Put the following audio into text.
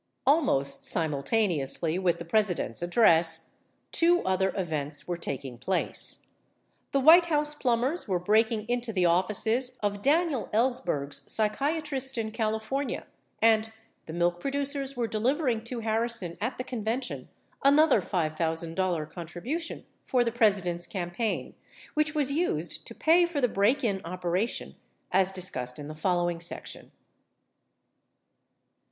56 Almost simultaneously with the President's address, two other events were taking place — the White House plumbers were breaking into the offices of Daniel Ellsberg's psychiatrist in California, and the milk producers were delivering to" Harrison at the convention another $5,000 contribution for the President's campaign which was used to pay for the break in operation, as discussed in the following section.